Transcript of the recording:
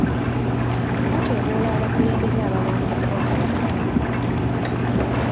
Batyoboola abakulembeze abalondebwa Kabaka.